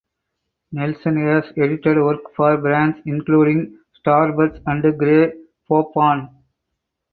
Nelson has edited work for brands including Starburst and Grey Poupon.